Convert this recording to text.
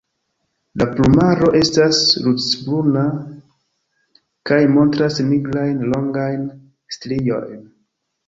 La plumaro estas ruĝecbruna kaj montras nigrajn longajn striojn.